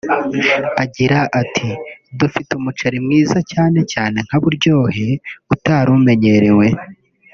Agira ati “Dufite umuceri mwiza cyane cyane nka Buryohe utari umenyerewe